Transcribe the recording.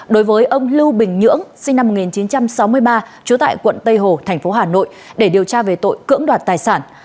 đối với ông lưu bình nhưỡng sinh năm một nghìn chín trăm sáu mươi ba trú tại quận tây hồ thành phố hà nội để điều tra về tội cưỡng đoạt tài sản